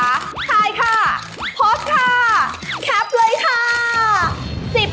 ถ่ายค่ะพดค่ะแคปเลยค่ะ